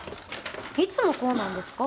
いつもこうなんですか？